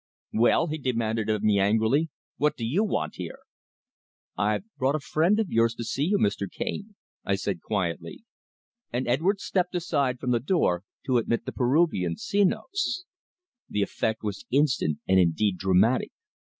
"Well," he demanded of me angrily. "What do you want here?" "I've brought a friend of yours to see you, Mr. Cane," I said quietly, and Edwards stepped aside from the door to admit the Peruvian Senos. The effect was instant and indeed dramatic.